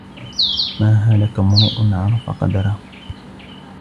مَا هَلَكَ امْرُؤٌ عَرَفَ قَدْرَهُ